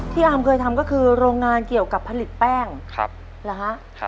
ที่อาอามเคยทำก็คือโรงงานเกี่ยวกับผลิตแป้งครับหรอฮะครับ